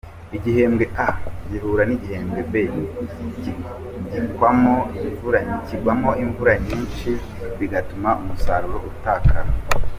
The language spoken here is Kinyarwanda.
Igihembwe A gihura n’igihembwe B kigwamo imvura nyinshi bigatuma umusaruro utakara.